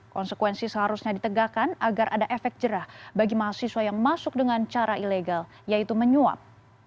konsekuensi seharusnya ditegakkan agar ada efek jerah bagi mahasiswa yang masuk dengan cara ilegal yaitu menyuap